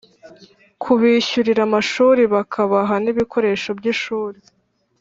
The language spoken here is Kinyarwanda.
Kubishyurira amashuri bakabaha n’ibikoresho by’ ishuri